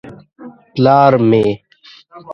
_ پلار مې.